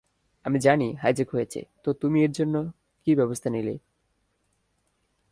আমি জানি হাইজ্যাক হয়েছে, তো তুমি এরজন্য কী ব্যবস্থা নিলে?